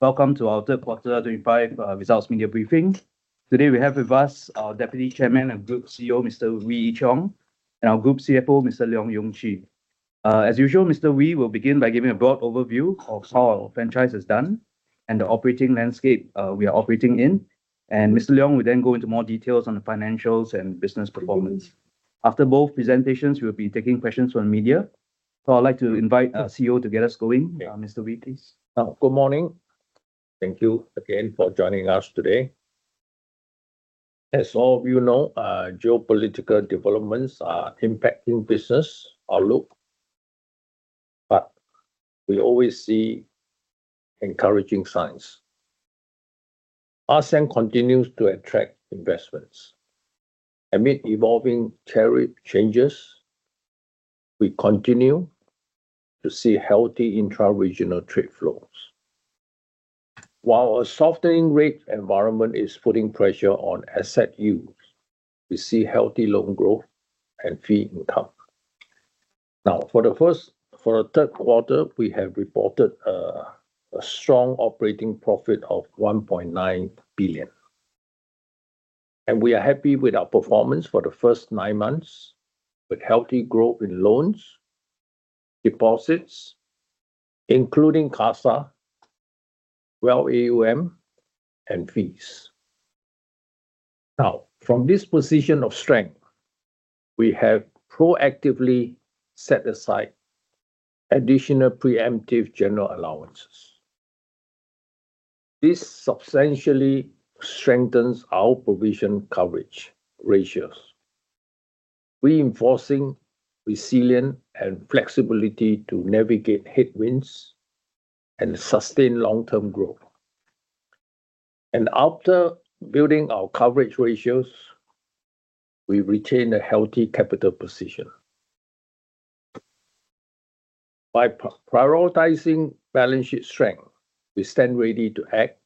Welcome to our 3rd Quarter 2025 Results Media Briefing. Today we have with us our Deputy Chairman and Group CEO, Mr. Wee Ee Cheong, and our Group CFO, Mr. Leong Yung Chee. As usual, Mr. Wee will begin by giving a broad overview of how our franchise has done and the operating landscape we are operating in. And Mr. Leong will then go into more details on the financials and business performance. After both presentations, we will be taking questions from the media. So I'd like to invite our CEO to get us going. Mr. Wee, please. Good morning. Thank you again for joining us today. As all of you know, geopolitical developments are impacting business outlook, but we always see encouraging signs. ASEAN continues to attract investments. Amid evolving tariff changes, we continue to see healthy intra-regional trade flows. While a softening rate environment is putting pressure on asset yields, we see healthy loan growth and fee income. Now, for the Q3, we have reported a strong operating profit of 1.9 billion. And we are happy with our performance for the first nine months, with healthy growth in loans, deposits, including CASA, Wealth AUM, and fees. Now, from this position of strength, we have proactively set aside additional preemptive general allowances. This substantially strengthens our provision coverage ratios, reinforcing resilience and flexibility to navigate headwinds and sustain long-term growth. And after building our coverage ratios, we retain a healthy capital position. By prioritizing balance sheet strength, we stand ready to act,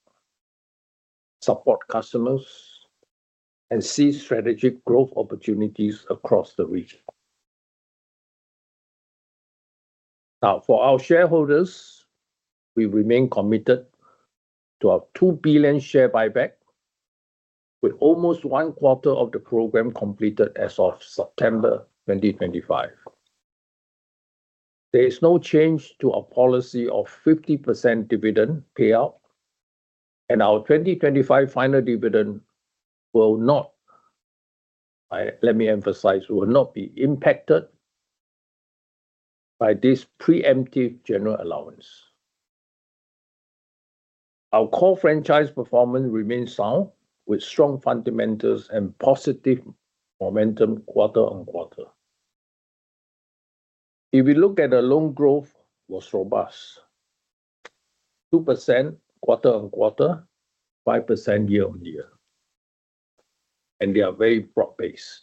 support customers, and see strategic growth opportunities across the region. Now, for our shareholders, we remain committed to our 2 billion share buyback, with almost one quarter of the program completed as of September 2025. There is no change to our policy of 50% dividend payout, and our 2025 final dividend will not, let me emphasize, will not be impacted by this preemptive general allowance. Our core franchise performance remains sound, with strong fundamentals and positive momentum quarter-on-quarter. If we look at the loan growth, it was robust: 2% quarter-on-quarter, 5% year-on-year, and they are very broad-based.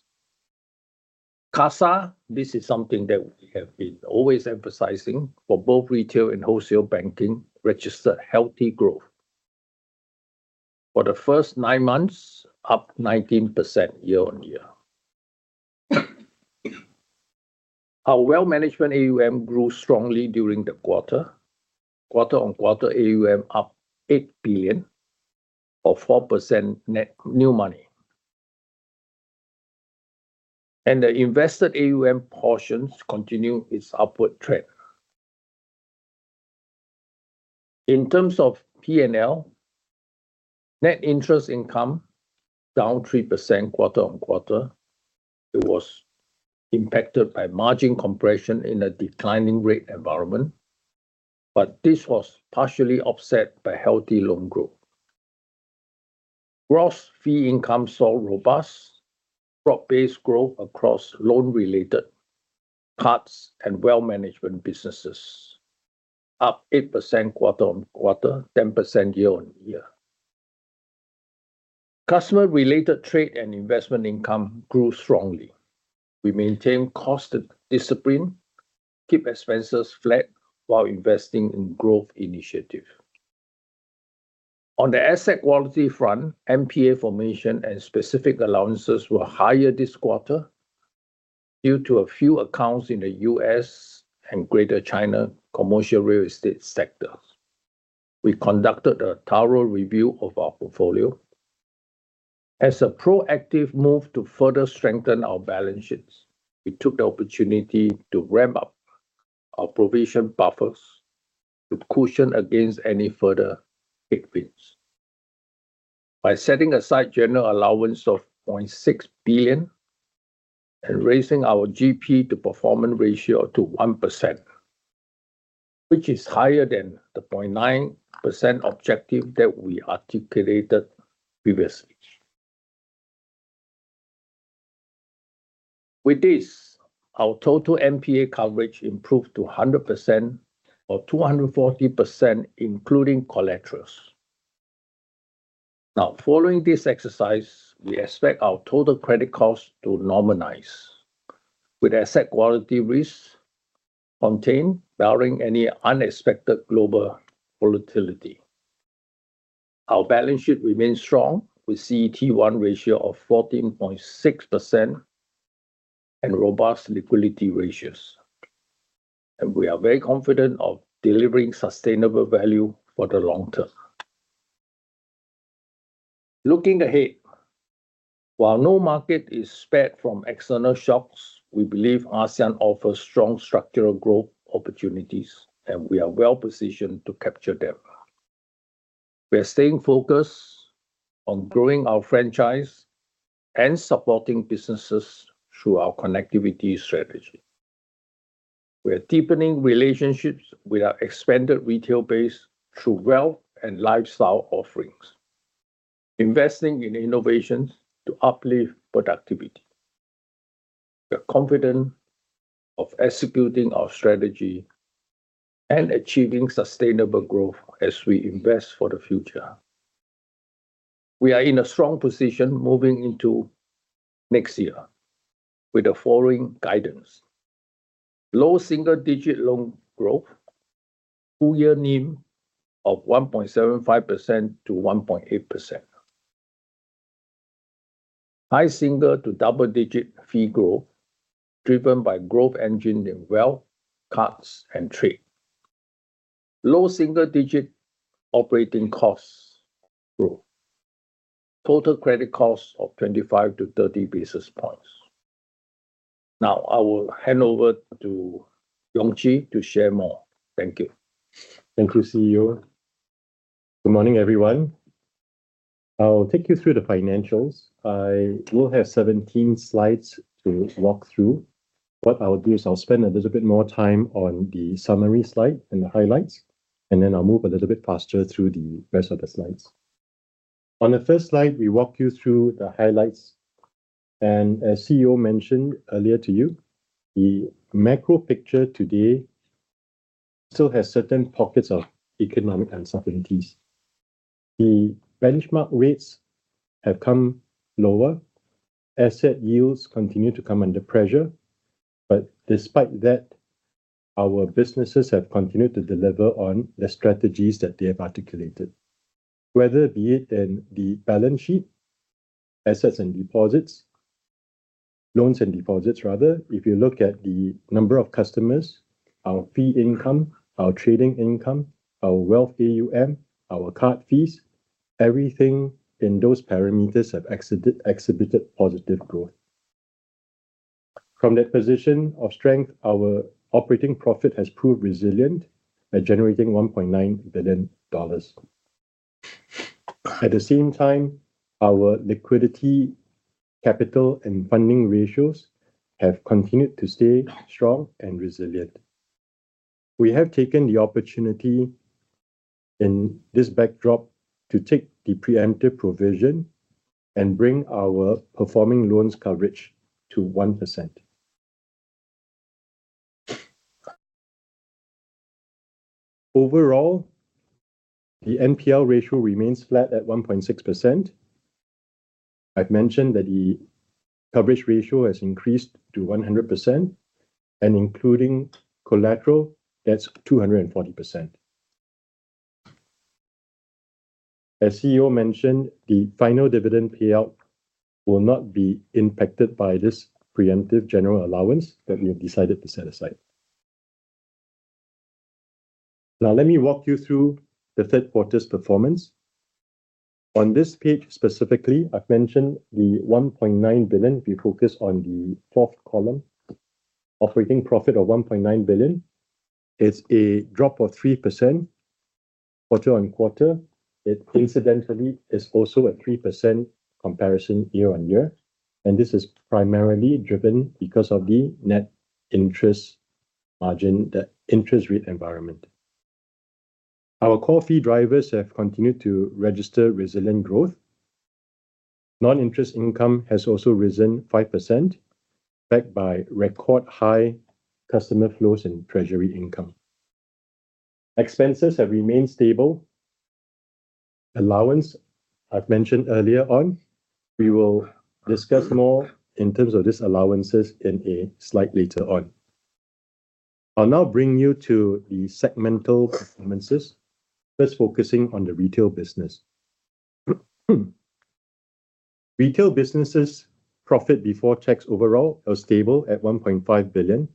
CASA, this is something that we have been always emphasizing for both retail and wholesale banking, registered healthy growth. For the first nine months, up 19% year-on-year. Our Wealth Management AUM grew strongly during the quarter. Quarter-on-quarter, AUM up 8 billion, or 4% net new money. The invested AUM portions continue its upward trend. In terms of P&L, net interest income down 3% quarter-on-quarter. It was impacted by margin compression in a declining rate environment, but this was partially offset by healthy loan growth. Gross fee income saw robust, broad-based growth across loan-related, Cards and Wealth Management businesses, up 8% quarter-on-quarter, 10% year-on-year. Customer-related trade and investment income grew strongly. We maintained cost discipline, kept expenses flat while investing in growth initiatives. On the asset quality front, NPA formation and specific allowances were higher this quarter due to a few accounts in the U.S. and Greater China commercial real estate sectors. We conducted a thorough review of our portfolio. As a proactive move to further strengthen our balance sheets, we took the opportunity to ramp up our provision buffers to cushion against any further headwinds by setting aside general allowance of 0.6 billion and raising our GP to Performing Loans ratio to 1%, which is higher than the 0.9% objective that we articulated previously. With this, our total NPA coverage improved to 100% or 240%, including collaterals. Now, following this exercise, we expect our total credit costs to normalize, with asset quality risk contained barring any unexpected global volatility. Our balance sheet remains strong, with CET1 ratio of 14.6% and robust liquidity ratios, and we are very confident of delivering sustainable value for the long term. Looking ahead, while no market is spared from external shocks, we believe ASEAN offers strong structural growth opportunities, and we are well-positioned to capture them. We are staying focused on growing our franchise and supporting businesses through our connectivity strategy. We are deepening relationships with our expanded retail base through Wealth and lifestyle offerings, investing in innovations to uplift productivity. We are confident of executing our strategy and achieving sustainable growth as we invest for the future. We are in a strong position moving into next year with the following guidance: low single-digit loan growth, two-year NIM of 1.75%-1.8%, high single to double-digit fee growth driven by growth engine in Wealth, Cards, and Trade. Low single-digit operating costs growth, total credit cost of 25 basis points-30 basis points. Now, I will hand over to Leong Yung Chee to share more. Thank you. Thank you, CEO. Good morning, everyone. I'll take you through the financials. I will have 17 slides to walk through. What I'll do is I'll spend a little bit more time on the summary slide and the highlights, and then I'll move a little bit faster through the rest of the slides. On the first slide, we walk you through the highlights. And as CEO mentioned earlier to you, the macro picture today still has certain pockets of economic uncertainties. The benchmark rates have come lower. Asset yields continue to come under pressure. But despite that, our businesses have continued to deliver on the strategies that they have articulated, whether be it in the balance sheet, assets and deposits, loans and deposits, rather. If you look at the number of customers, our fee income, our trading income, our Wealth AUM, our card fees, everything in those parameters have exhibited positive growth. From that position of strength, our operating profit has proved resilient by generating 1.9 billion dollars. At the same time, our liquidity, capital, and funding ratios have continued to stay strong and resilient. We have taken the opportunity in this backdrop to take the preemptive provision and bring our performing loans coverage to 1%. Overall, the NPL ratio remains flat at 1.6%. I've mentioned that the coverage ratio has increased to 100%, and including collateral, that's 240%. As CEO mentioned, the final dividend payout will not be impacted by this preemptive general allowance that we have decided to set aside. Now, let me walk you through the Q3's performance. On this page specifically, I've mentioned the 1.9 billion. We focus on the fourth column, operating profit of 1.9 billion. It's a drop of 3% quarter-on-quarter. It incidentally is also a 3% comparison year-on-year, and this is primarily driven because of the net interest margin, the interest rate environment. Our core fee drivers have continued to register resilient growth. Non-interest income has also risen 5%, backed by record high customer flows and treasury income. Expenses have remained stable. Allowance, I've mentioned earlier on. We will discuss more in terms of these allowances in a slide later on. I'll now bring you to the segmental performances, first focusing on the retail business. Retail businesses' profit before tax overall was stable at 1.5 billion.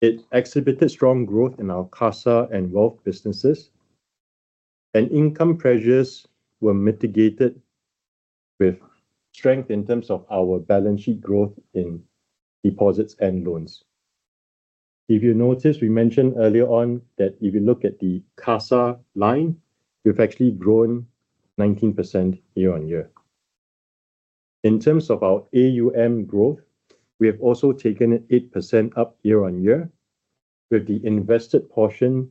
It exhibited strong growth in our CASA and Wealth businesses, and income pressures were mitigated with strength in terms of our balance sheet growth in deposits and loans. If you notice, we mentioned earlier on that if you look at the CASA line, we've actually grown 19% year-on-year. In terms of our AUM growth, we have also taken it 8% up year-on-year, with the invested portion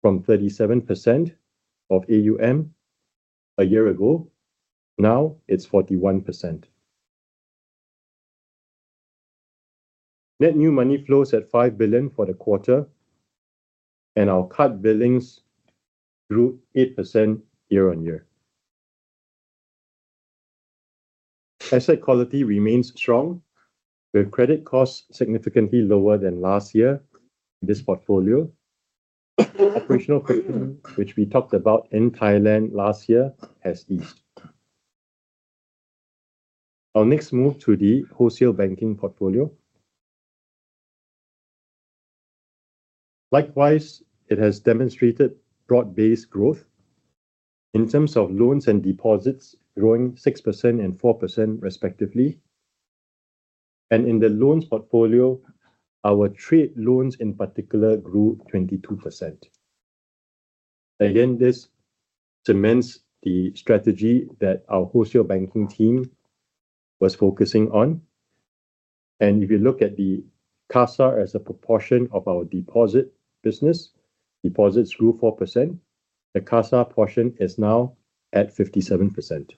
from 37% of AUM a year ago. Now it's 41%. Net new money flows at 5 billion for the quarter, and our Wealth billings grew 8% year-on-year. Asset quality remains strong, with credit costs significantly lower than last year in this portfolio. Operational costs, which we talked about in Thailand last year, has eased. I'll next move to the wholesale banking portfolio. Likewise, it has demonstrated broad-based growth in terms of loans and deposits, growing 6% and 4%, respectively, and in the loans portfolio, our trade loans in particular grew 22%. Again, this cements the strategy that our wholesale banking team was focusing on. And if you look at the CASA as a proportion of our deposit business, deposits grew 4%. The CASA portion is now at 57%.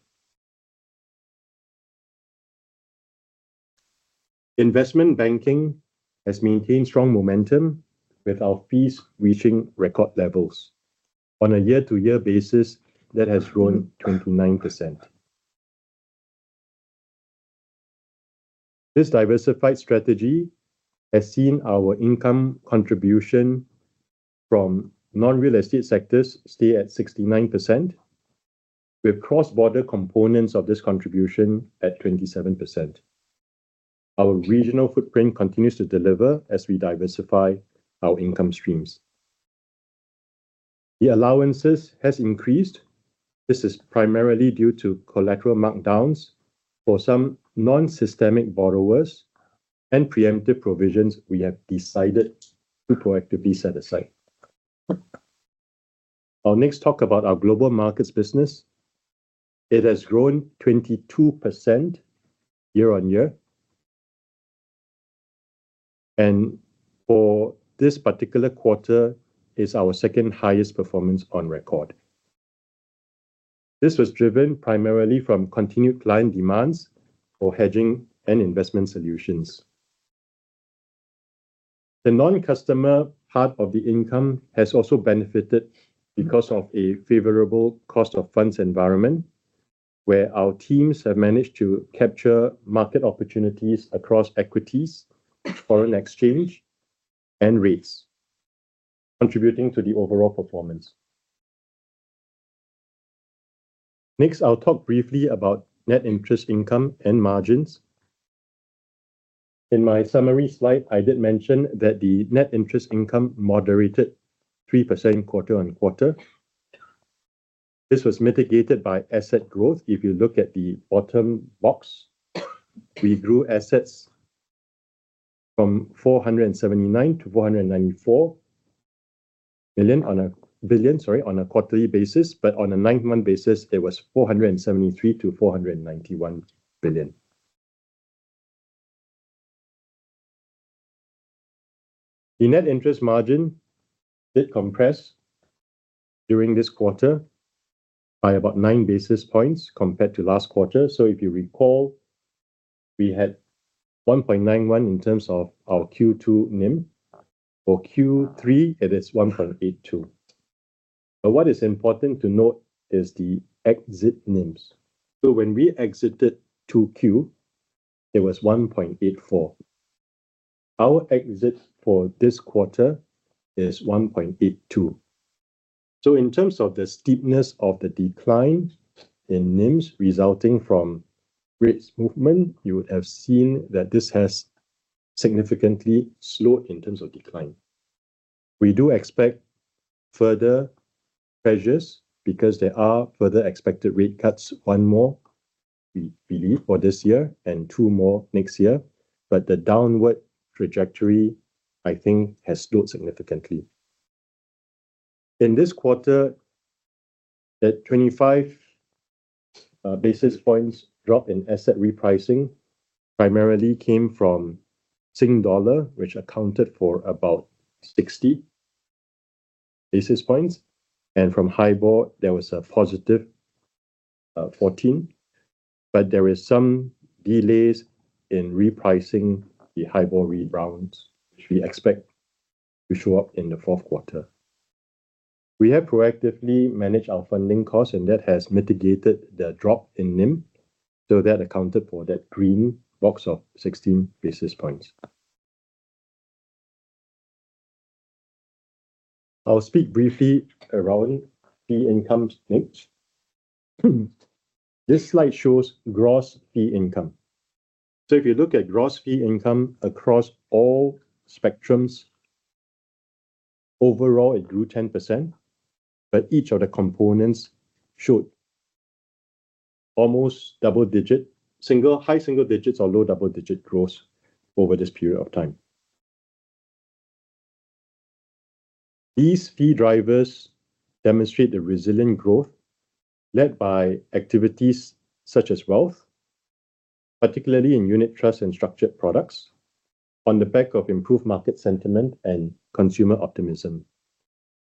Investment banking has maintained strong momentum, with our fees reaching record levels. On a year-to-year basis, that has grown 29%. This diversified strategy has seen our income contribution from non-real estate sectors stay at 69%, with cross-border components of this contribution at 27%. Our regional footprint continues to deliver as we diversify our income streams. The allowances have increased. This is primarily due to collateral markdowns for some non-systemic borrowers and preemptive provisions we have decided to proactively set aside. I'll next talk about our global markets business. It has grown 22% year-on-year. And for this particular quarter, it is our second highest performance on record. This was driven primarily from continued client demands for hedging and investment solutions. The non-customer part of the income has also benefited because of a favorable cost of funds environment, where our teams have managed to capture market opportunities across equities, foreign exchange, and rates, contributing to the overall performance. Next, I'll talk briefly about net interest income and margins. In my summary slide, I did mention that the net interest income moderated 3% quarter-on-quarter. This was mitigated by asset growth. If you look at the bottom box, we grew assets from $479 billion-$494 billion on a quarterly basis. But on a nine-month basis, it was $473 billion-$491 billion. The net interest margin did compress during this quarter by about nine basis points compared to last quarter. So if you recall, we had 1.91 in terms of our Q2 NIM. For Q3, it is 1.82. But what is important to note is the exit NIMs. So when we exited 2Q, it was 1.84. Our exit for this quarter is 1.82. So in terms of the steepness of the decline in NIMs resulting from rates movement, you would have seen that this has significantly slowed in terms of decline. We do expect further pressures because there are further expected rate cuts one more, we believe, for this year and two more next year. But the downward trajectory, I think, has slowed significantly. In this quarter, that 25 basis points drop in asset repricing primarily came from Sing dollar, which accounted for about 60 basis points. And from HIBOR, there was a +14. But there were some delays in repricing the HIBOR rebounds, which we expect to show up in the fourth quarter. We have proactively managed our funding costs, and that has mitigated the drop in NIM. So that accounted for that green box of 16 basis points. I'll speak briefly around fee income next. This slide shows gross fee income. So if you look at gross fee income across all spectrums, overall, it grew 10%. But each of the components showed almost double-digit, high single digits or low double-digit growth over this period of time. These fee drivers demonstrate the resilient growth led by activities such as Wealth, particularly in unit trusts and structured products, on the back of improved market sentiment and consumer optimism.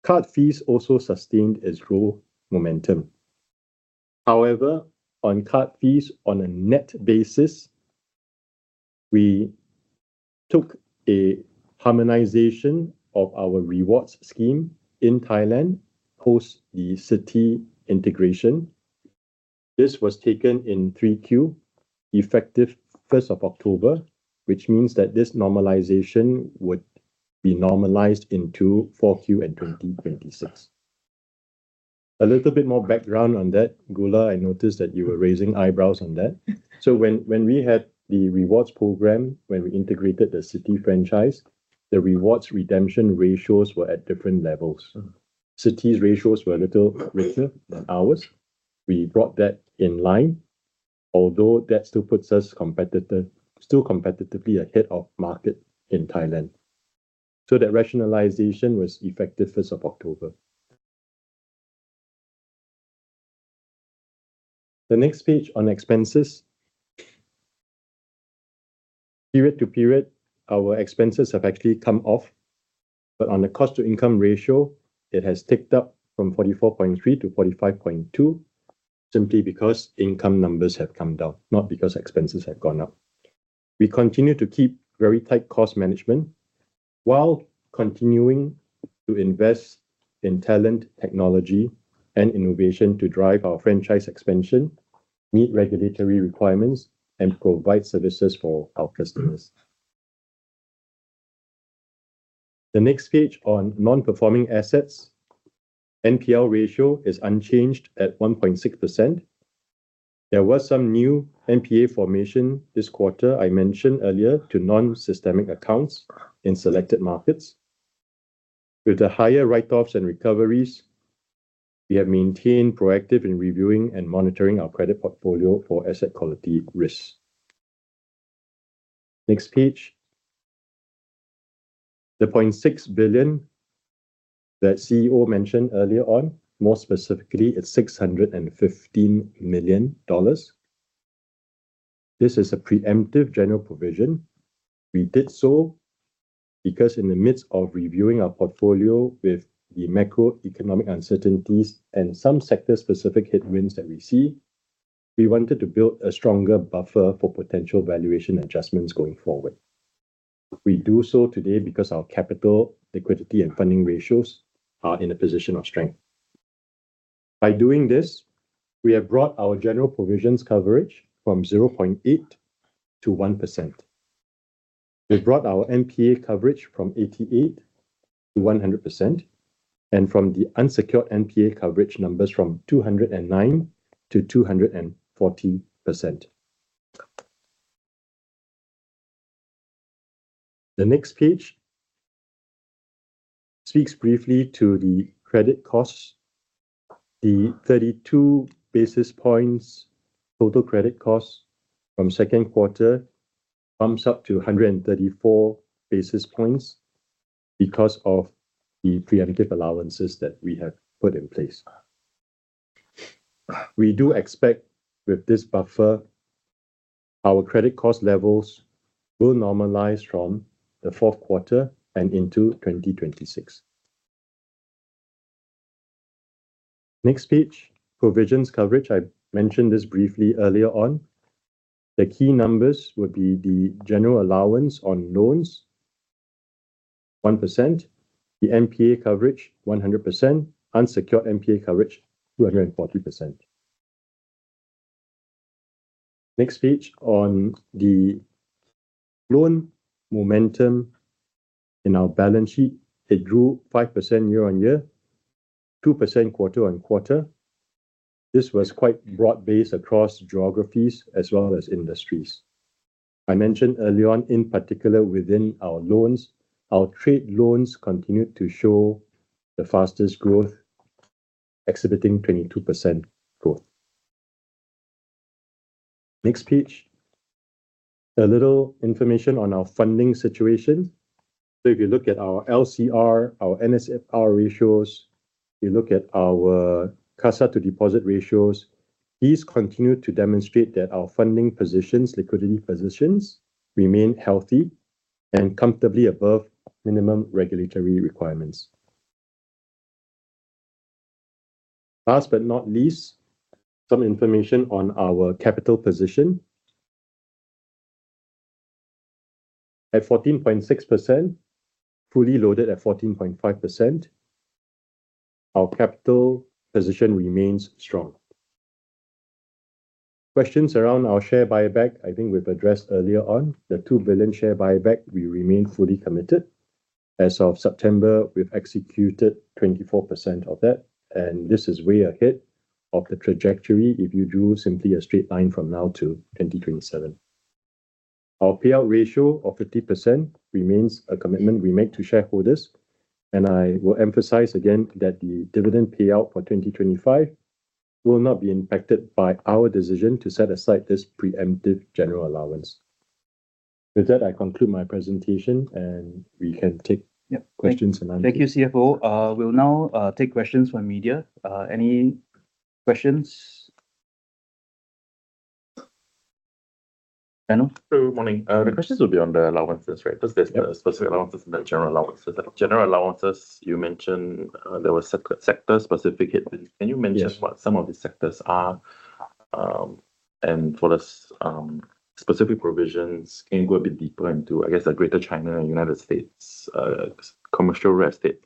Card fees also sustained a slow momentum. However, on card fees on a net basis, we took a harmonization of our rewards scheme in Thailand post the Citi integration. This was taken in 3Q, effective 1st of October, which means that this normalization would be normalized into 4Q and 2026. A little bit more background on that, Goola. I noticed that you were raising eyebrows on that. So when we had the rewards program, when we integrated the Citi franchise, the rewards redemption ratios were at different levels. Citi's ratios were a little richer than ours. We brought that in line, although that still puts us competitively ahead of market in Thailand. So that rationalization was effective 1st of October. The next page on expenses. Period to period, our expenses have actually come off. But on the cost-to-income ratio, it has ticked up from 44.3%-45.2% simply because income numbers have come down, not because expenses have gone up. We continue to keep very tight cost management while continuing to invest in talent, technology, and innovation to drive our franchise expansion, meet regulatory requirements, and provide services for our customers. The next page on non-performing assets, NPL ratio is unchanged at 1.6%. There was some new NPA formation this quarter, I mentioned earlier, to non-systemic accounts in selected markets. With the higher write-offs and recoveries, we have maintained proactive in reviewing and monitoring our credit portfolio for asset quality risks. Next page. The 0.6 billion that CEO mentioned earlier on, more specifically, it's 615 million dollars. This is a preemptive general provision. We did so because in the midst of reviewing our portfolio with the macroeconomic uncertainties and some sector-specific headwinds that we see, we wanted to build a stronger buffer for potential valuation adjustments going forward. We do so today because our capital, liquidity, and funding ratios are in a position of strength. By doing this, we have brought our general provisions coverage from 0.8%-1%. We've brought our NPA coverage from 88%-100%, and from the unsecured NPA coverage numbers from 209%-240%. The next page speaks briefly to the credit costs. The 32 basis points total credit costs from second quarter bumps up to 134 basis points because of the preemptive allowances that we have put in place. We do expect with this buffer, our credit cost levels will normalize from the fourth quarter and into 2026. Next page, provisions coverage. I mentioned this briefly earlier on. The key numbers would be the general allowance on loans, 1%, the NPA coverage, 100%, unsecured NPA coverage, 240%. Next page on the loan momentum in our balance sheet. It grew 5% year-on-year, 2% quarter-on-quarter. This was quite broad-based across geographies as well as industries. I mentioned earlier on, in particular within our loans, our trade loans continued to show the fastest growth, exhibiting 22% growth. Next page. A little information on our funding situation. So if you look at our LCR, our NSFR ratios, you look at our CASA to deposit ratios, these continue to demonstrate that our funding positions, liquidity positions, remain healthy and comfortably above minimum regulatory requirements. Last but not least, some information on our capital position. At 14.6%, fully loaded at 14.5%, our capital position remains strong. Questions around our share buyback, I think we've addressed earlier on. The $2 billion share buyback, we remain fully committed. As of September, we've executed 24% of that. And this is way ahead of the trajectory if you drew simply a straight line from now to 2027. Our payout ratio of 50% remains a commitment we make to shareholders. And I will emphasize again that the dividend payout for 2025 will not be impacted by our decision to set aside this preemptive general allowance. With that, I conclude my presentation, and we can take questions and answers. Thank you, CFO. We'll now take questions from media. Any questions? Daniel? Good morning. The questions will be on the allowances, right? Because there's the specific allowances and the general allowances. General allowances, you mentioned there were sector-specific headwinds. Can you mention what some of these sectors are? And for the specific provisions, can you go a bit deeper into, I guess, the Greater China and United States commercial real estate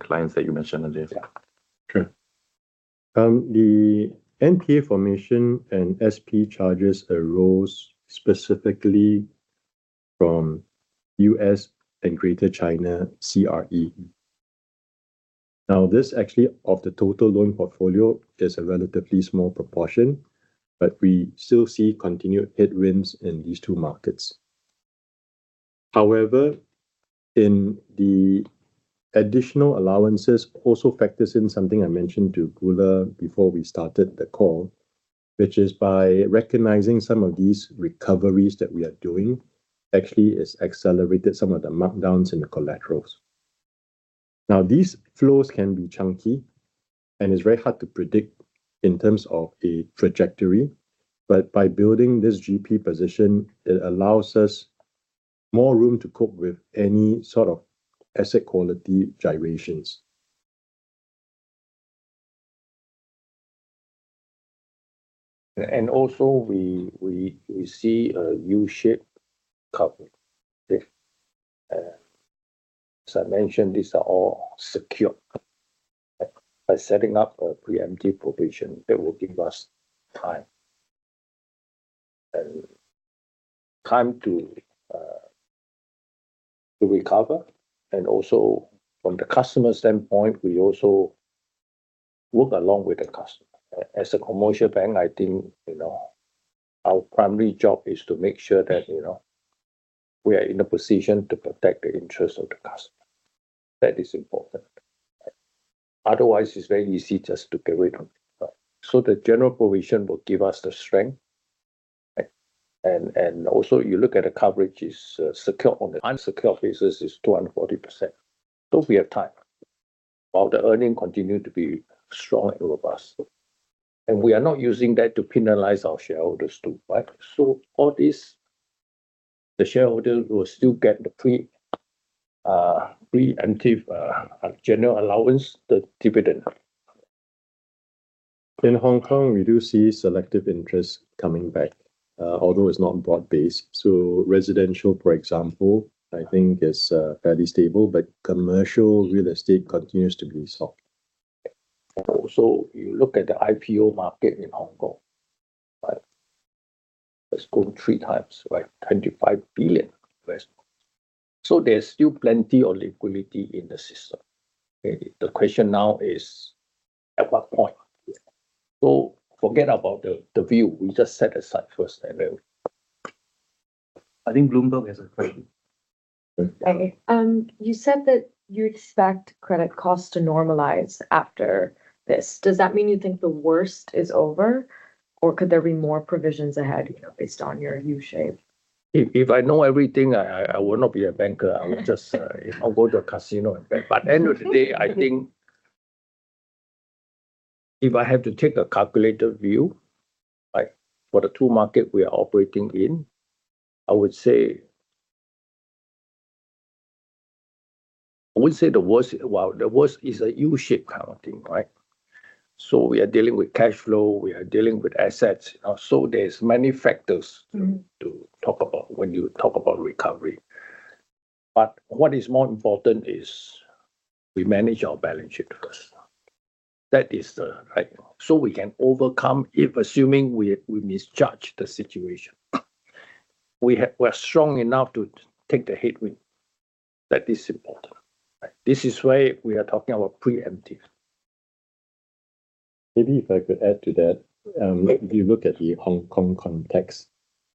clients that you mentioned earlier? Sure. The NPA formation and SP charges arose specifically from U.S. and Greater China CRE. Now, this actually, of the total loan portfolio, is a relatively small proportion, but we still see continued headwinds in these two markets. However, in the additional allowances also factors in something I mentioned to Goola before we started the call, which is by recognizing some of these recoveries that we are doing, actually has accelerated some of the markdowns in the collaterals. Now, these flows can be chunky, and it's very hard to predict in terms of a trajectory. But by building this GP position, it allows us more room to cope with any sort of asset quality gyrations. And also, we see a U-shape curve. As I mentioned, these are all secured by setting up a preemptive provision that will give us time and time to recover. And also, from the customer standpoint, we also work along with the customer. As a commercial bank, I think our primary job is to make sure that we are in a position to protect the interests of the customer. That is important. Otherwise, it's very easy just to get rid of it. So the general provision will give us the strength. And also, you look at the coverage is secured on the secured basis is 240%. So we have time while the earning continues to be strong and robust. And we are not using that to penalize our shareholders too, right? So all this, the shareholders will still get the preemptive general allowance, the dividend. In Hong Kong, we do see selective interest coming back, although it's not broad-based. So residential, for example, I think is fairly stable. But commercial real estate continues to be soft. So you look at the IPO market in Hong Kong, right? Let's go 3x, right? $25 billion. So there's still plenty of liquidity in the system. The question now is, at what point? So forget about the view, we just set aside first. I think Bloomberg has a question. You said that you expect credit costs to normalize after this. Does that mean you think the worst is over, or could there be more provisions ahead based on your U-shape? If I know everything, I will not be a banker. I'll just go to a casino and bet. But at the end of the day, I think if I have to take a calculated view for the two markets we are operating in, I would say the worst is a U-shape kind of thing, right? So we are dealing with cash flow, we are dealing with assets. So there's many factors to talk about when you talk about recovery. But what is more important is we manage our balance sheet first. That is the right. So we can overcome if assuming we misjudge the situation. We are strong enough to take the headwind. That is important. This is why we are talking about preemptive. Maybe if I could add to that, if you look at the Hong Kong context,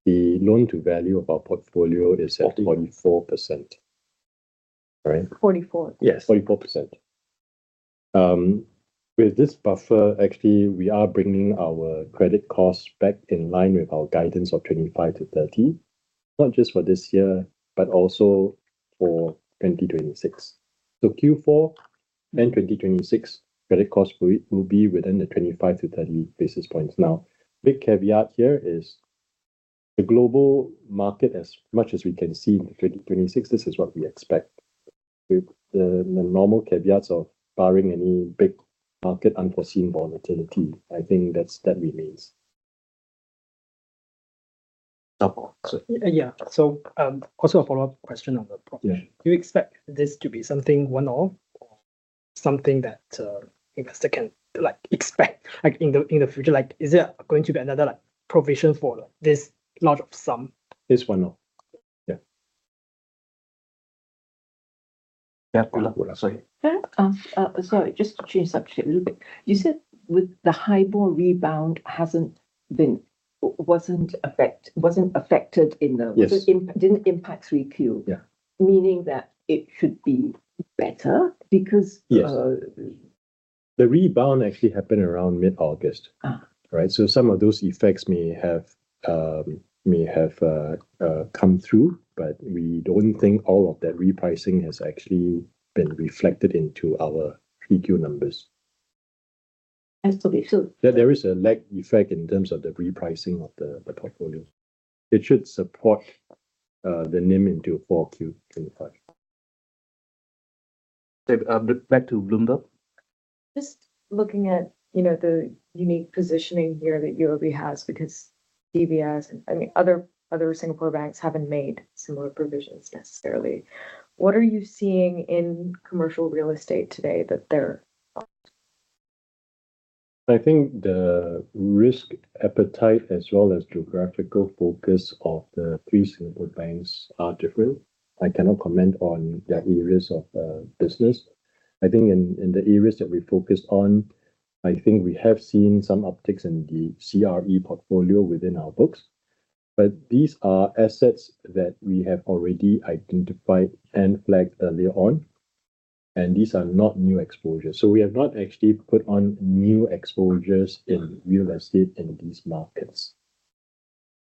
the loan-to-value of our portfolio is at 44%, right? 44%. Yes, 44%. With this buffer, actually, we are bringing our credit costs back in line with our guidance of 25-30, not just for this year, but also for 2026. So Q4 and 2026, credit costs will be within the 25 basis points-30 basis points. Now, big caveat here is the global market, as much as we can see in 2026, this is what we expect. With the normal caveats of barring any big market unforeseen volatility, I think that remains. Yeah. So also a follow-up question on the property. Do you expect this to be something one-off or something that investors can expect in the future? Is there going to be another provision for this large of sum? It's one-off. Yeah. Yeah, Goola. Sorry. Sorry, just to change subject a little bit. You said the HIBOR rebound hasn't been affected. It didn't impact Q3, meaning that it should be better because. The rebound actually happened around mid-August, right? So some of those effects may have come through, but we don't think all of that repricing has actually been reflected into our Q3 numbers. Absolutely. So there is a lag effect in terms of the repricing of the portfolio. It should support the NIM into Q425. Back to Bloomberg. Just looking at the unique positioning here that UOB has because DBS and, I mean, other Singapore banks haven't made similar provisions necessarily. What are you seeing in commercial real estate today that they're? I think the risk appetite as well as geographical focus of the three Singapore banks are different. I cannot comment on their areas of business. I think in the areas that we focus on, I think we have seen some upticks in the CRE portfolio within our books. But these are assets that we have already identified and flagged earlier on, and these are not new exposures, so we have not actually put on new exposures in real estate in these markets.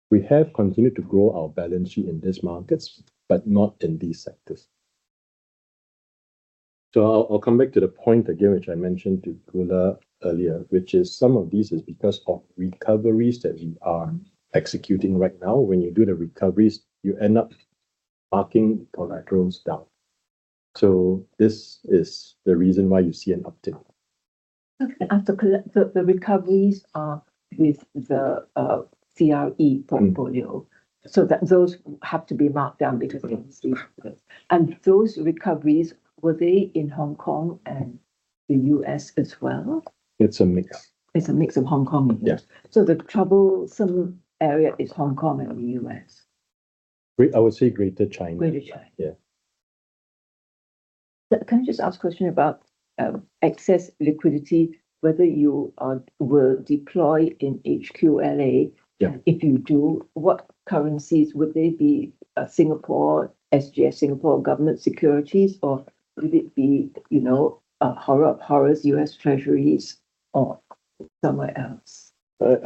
We have continued to grow our balance sheet in these markets, but not in these sectors. So I'll come back to the point again, which I mentioned to Goola earlier, which is some of these is because of recoveries that we are executing right now. When you do the recoveries, you end up marking collaterals down. So this is the reason why you see an uptick. Okay. The recoveries are with the CRE portfolio. So those have to be marked down because they're received. And those recoveries, were they in Hong Kong and the U.S. as well? It's a mix. It's a mix of Hong Kong and the U.S. So the trouble, some area is Hong Kong and the U.S.? I would say Greater China. Greater China. Yeah. Can I just ask a question about excess liquidity, whether you will deploy in HQLA? If you do, what currencies would they be? Singapore, SGS Singapore Government Securities, or would it be or U.S. Treasuries or somewhere else?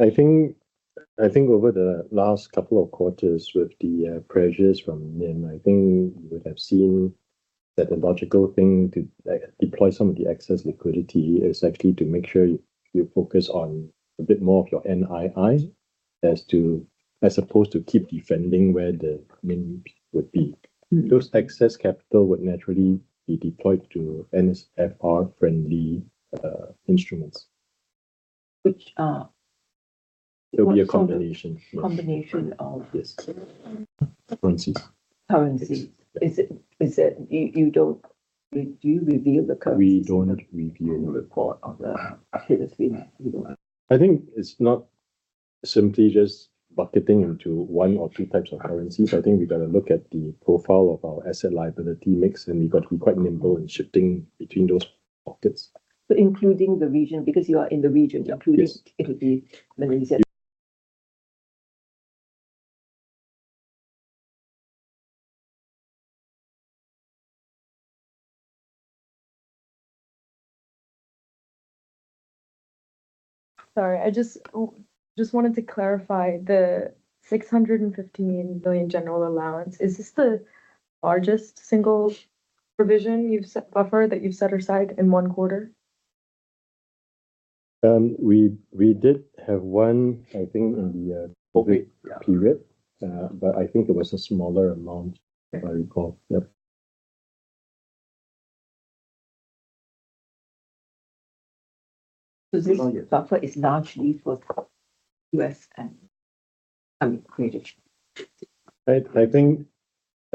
I think over the last couple of quarters with the pressures from NIM, I think you would have seen that the logical thing to deploy some of the excess liquidity is actually to make sure you focus on a bit more of your NII as opposed to keep defending where the NIM would be. Those excess capital would naturally be deployed to NSFR-friendly instruments. Which are? It'll be a combination. A combination of currencies. Currencies. Is it that you don't review the currency? We don't review the report on the activity. I think it's not simply just bucketing into one or two types of currencies. I think we've got to look at the profile of our asset liability mix, and we've got to be quite nimble in shifting between those pockets, so including the region, because you are in the region, including it would be Malaysia. Sorry, I just wanted to clarify the 615 million general allowance. Is this the largest single provision buffer that you've set aside in one quarter? We did have one, I think, in the COVID period, but I think it was a smaller amount if I recall. So this buffer is largely for U.S. and, I mean, Greater China. I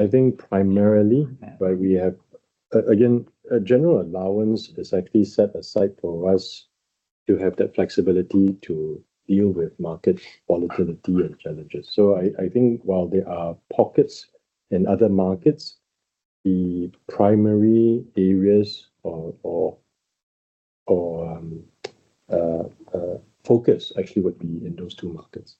think primarily, but we have, again, a general allowance is actually set aside for us to have that flexibility to deal with market volatility and challenges. So I think while there are pockets in other markets, the primary areas or focus actually would be in those two markets.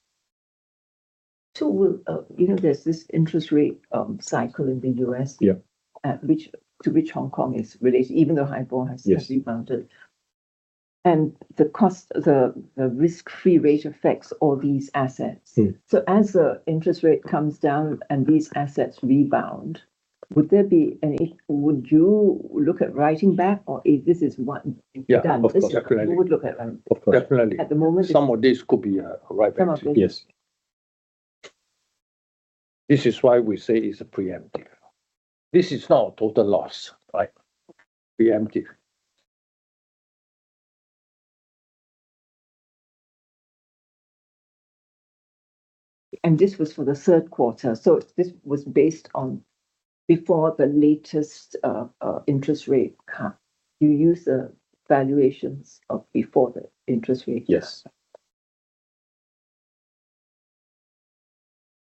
So there's this interest rate cycle in the U.S. to which Hong Kong is related, even though HIBOR has just rebounded. And the risk-free rate affects all these assets. So as the interest rate comes down and these assets rebound, would there be any? Would you look at writing back, or this is one thing you've done? Yeah, of course, definitely. You would look at that. At the moment. Some of these could be a write-back. Some of these, yes. This is why we say it's a preemptive. This is not a total loss, right? Preemptive. And this was for the Q3. So this was based on before the latest interest rate cut. You use the valuations of before the interest rate cut. Yes.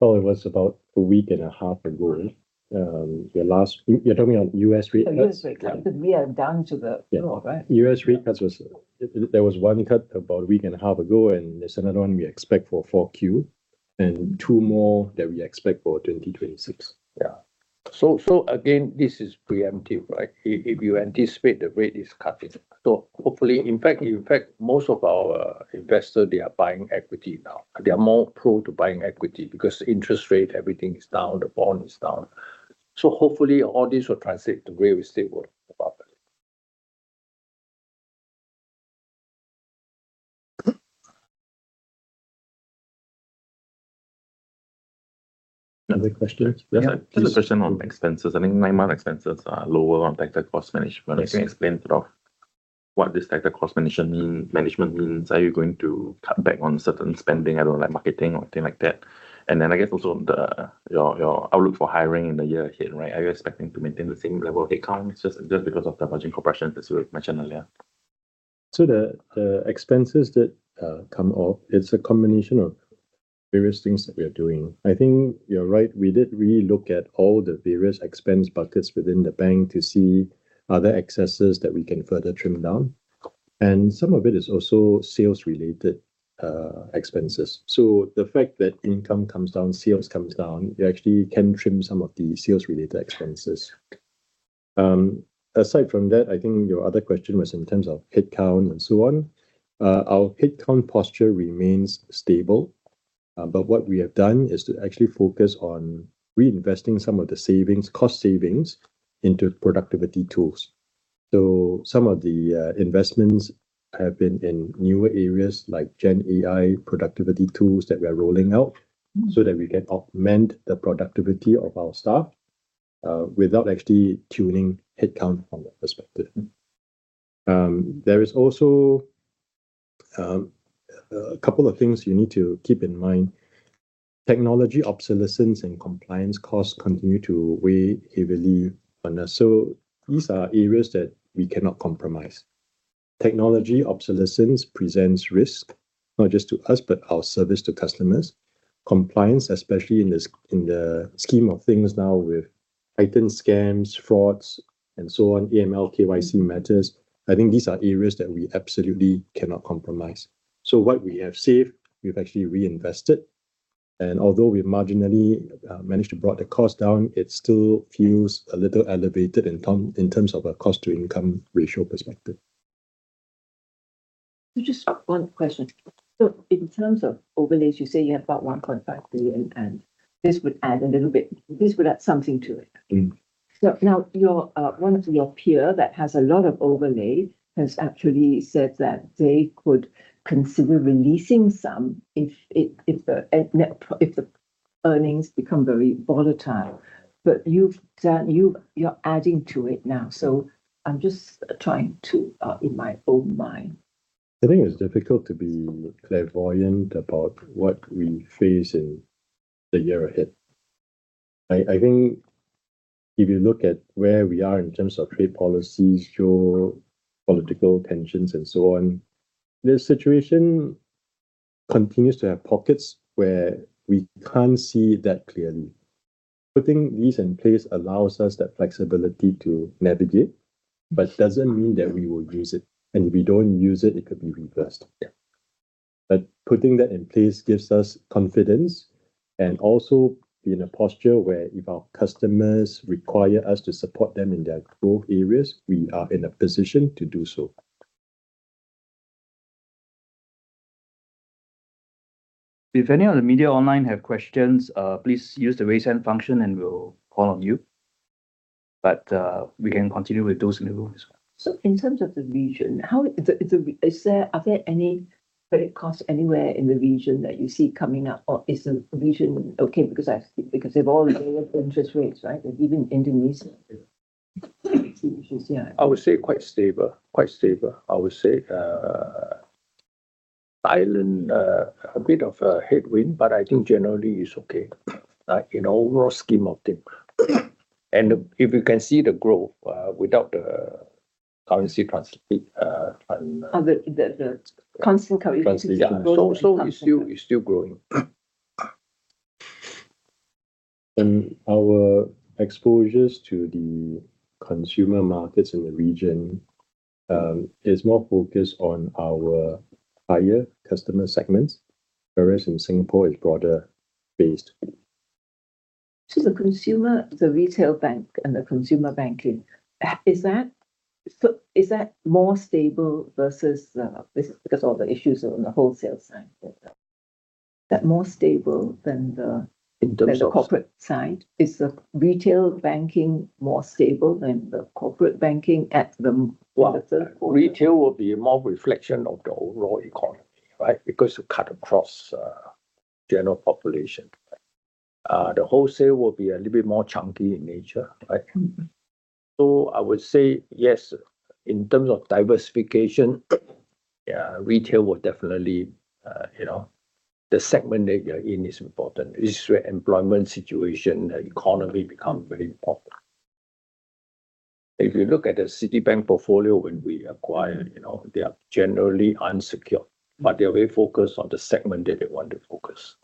Oh, it was about a week and a half ago. You're talking about U.S. rate cuts? U.S. rate cuts. We are down to the floor, right? U.S. rate cuts was. There was one cut about a week and a half ago, and there's another one we expect for Q4, and two more that we expect for 2026. Yeah. So again, this is preemptive, right? If you anticipate the rate is cutting. So hopefully, in fact, most of our investors, they are buying equity now. They are more prone to buying equity because the interest rate, everything is down, the bond is down. So hopefully, all these will translate to real estate work properly. Other questions? Yeah, just a question on expenses. I think management's expenses are lower on tight cost management. Can you explain sort of what this tight cost management means? Are you going to cut back on certain spending, such as marketing or anything like that? And then I guess also your outlook for hiring in the year ahead, right? Are you expecting to maintain the same level of headcount just because of the budget constraints that you mentioned earlier? So the expenses that come up, it's a combination of various things that we are doing. I think you're right. We did re-look at all the various expense buckets within the bank to see other excesses that we can further trim down. And some of it is also sales-related expenses. So the fact that income comes down, sales comes down, you actually can trim some of the sales-related expenses. Aside from that, I think your other question was in terms of headcount and so on. Our headcount posture remains stable. But what we have done is to actually focus on reinvesting some of the cost savings into productivity tools. So some of the investments have been in newer areas like GenAI productivity tools that we are rolling out so that we can augment the productivity of our staff without actually tuning headcount from that perspective. There is also a couple of things you need to keep in mind. Technology obsolescence and compliance costs continue to weigh heavily. So these are areas that we cannot compromise. Technology obsolescence presents risk, not just to us, but our service to customers. Compliance, especially in the scheme of things now with heightened scams, frauds, and so on, AML, KYC matters. I think these are areas that we absolutely cannot compromise. So what we have saved, we've actually reinvested. And although we've marginally managed to broaden the cost down, it still feels a little elevated in terms of a cost-to-income ratio perspective. So just one question. So in terms of overlays, you say you have about 1.5 billion, and this would add a little bit. This would add something to it. So now one of your peers that has a lot of overlay has actually said that they could consider releasing some if the earnings become very volatile. But you're adding to it now. So I'm just trying to, in my own mind. I think it's difficult to be clairvoyant about what we face in the year ahead. I think if you look at where we are in terms of trade policies, geopolitical tensions, and so on, the situation continues to have pockets where we can't see that clearly. Putting these in place allows us that flexibility to navigate, but it doesn't mean that we will use it. And if we don't use it, it could be reversed. But putting that in place gives us confidence and also be in a posture where if our customers require us to support them in their growth areas, we are in a position to do so. If any of the media online have questions, please use the raise hand function, and we'll call on you. But we can continue with those in the room as well. So in terms of the region, are there any credit costs anywhere in the region that you see coming up? Or is the region okay? Because they've all lowered interest rates, right? Even Indonesia. I would say quite stable. Quite stable, I would say. Thailand, a bit of a headwind, but I think generally it's okay in the overall scheme of things. And if you can see the growth without the currency transfer. The constant currency transfer. Yeah, so it's still growing. Our exposures to the consumer markets in the region are more focused on our higher customer segments, whereas in Singapore, it's broader based. So the consumer, the retail bank and the consumer banking, is that more stable versus because of the issues on the wholesale side? Is that more stable than the corporate side? Is the retail banking more stable than the corporate banking at the wholesale? Retail will be more reflection of the overall economy, right? Because it cut across general population. The wholesale will be a little bit more chunky in nature, right? So I would say, yes, in terms of diversification, retail will definitely, the segment that you're in is important. It's where employment situation, the economy becomes very important. If you look at the Citi portfolio when we acquire, they are generally unsecured, but they're very focused on the segment that they want to focus.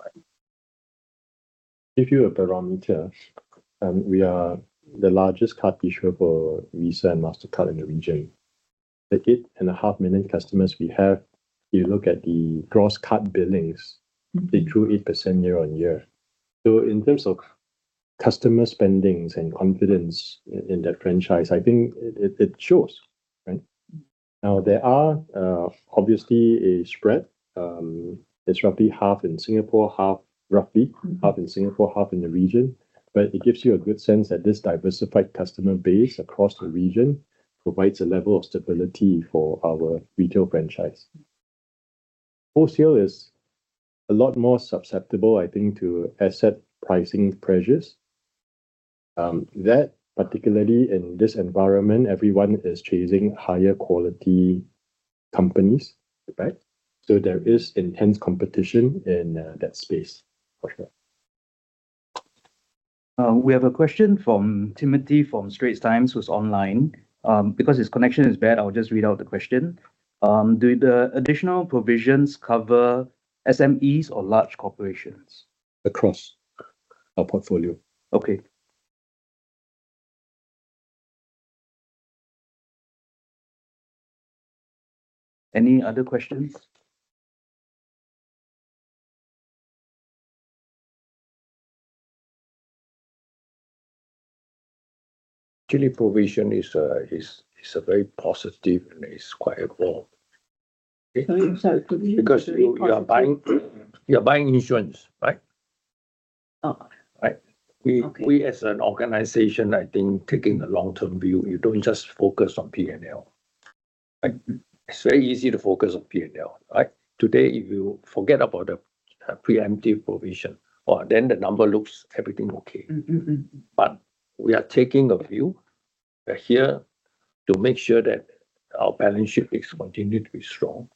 If you're a barometer, we are the largest card issuer for Visa and Mastercard in the region. The 8.5 million customers we have, if you look at the gross card billings, they grew 8% year-on-year. So in terms of customer spendings and confidence in that franchise, I think it shows. Now, there are obviously a spread. It's roughly half in Singapore, half in the region. But it gives you a good sense that this diversified customer base across the region provides a level of stability for our retail franchise. Wholesale is a lot more susceptible, I think, to asset pricing pressures. That particularly in this environment, everyone is chasing higher quality companies, right? So there is intense competition in that space, for sure. We have a question from Timothy Goh from Straits Times who's online. Because his connection is bad, I'll just read out the question. Do the additional provisions cover SMEs or large corporations? Across our portfolio. Okay. Any other questions? Actually, provision is a very positive and it's quite a war. Because you are buying insurance, right? Right? We as an organization, I think, taking a long-term view, you don't just focus on P&L. It's very easy to focus on P&L, right? Today, if you forget about the preemptive provision, then the number looks everything okay. But we are taking a view here to make sure that our balance sheet is continued to be strong,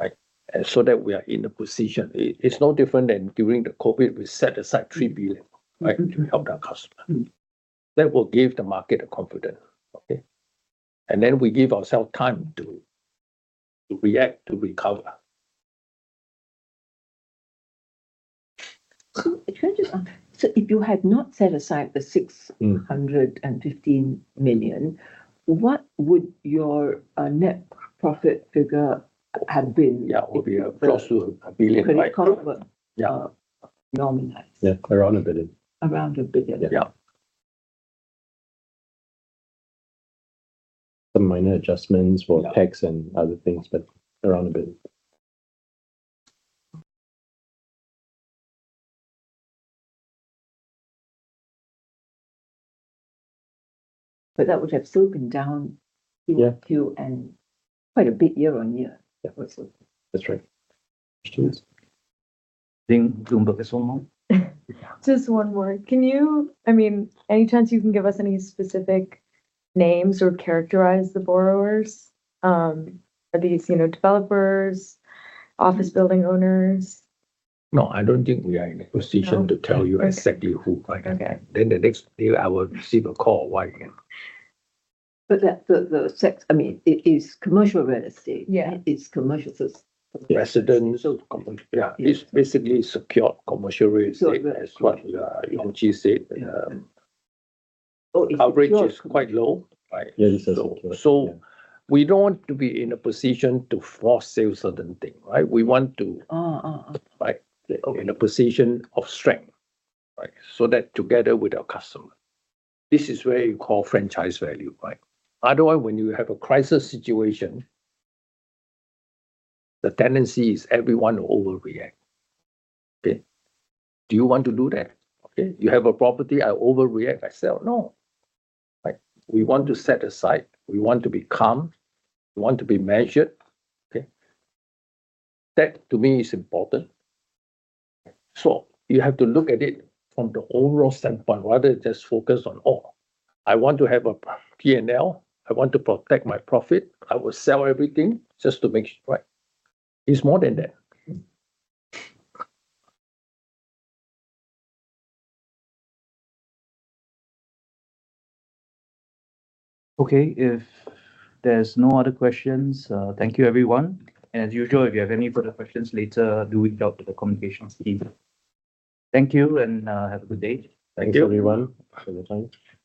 right? And so that we are in a position. It's no different than during the COVID, we set aside 3 billion, right, to help our customers. That will give the market a confidence, okay? And then we give ourselves time to react, to recover. So if you had not set aside the 615 million, what would your net profit figure have been? Yeah, it would be close to a billion. Yeah. Around a billion. Around a billion. Yeah. Some minor adjustments for tax and other things, but around a billion. But that would have still been down a few and quite a bit year-on-year? That's right. I think Bloomberg is on now. Just one more. Can you, I mean, any chance you can give us any specific names or characterize the borrowers? Are these developers, office building owners? No, I don't think we are in a position to tell you exactly who. Then the next day, I will receive a call, why again? But the sector, I mean, it is commercial real estate. Yeah. It's commercial real estate? Residential. Yeah. It's basically secured commercial real estate, as what Yong Chee said. Leverage is quite low, right? So we don't want to be in a position to force sale certain things, right? We want to, right, in a position of strength, right? So that together with our customers. This is where you call franchise value, right? Otherwise, when you have a crisis situation, the tendency is everyone will overreact. Okay? Do you want to do that? Okay. You have a property, I overreact, I sell. No. We want to set aside. We want to be calm. We want to be measured. Okay? That, to me, is important. So you have to look at it from the overall standpoint, rather than just focus on, "Oh, I want to have a P&L. I want to protect my profit. I will sell everything just to make sure," right? It's more than that. Okay. If there's no other questions, thank you, everyone. And as usual, if you have any further questions later, do reach out to the communications team. Thank you and have a good day. Thank you, everyone, for your time.